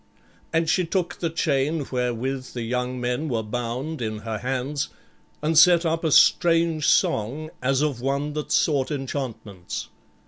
And she took the chain wherewith the young men were bound in her hands and set up a strange song as of one that sought enchantments.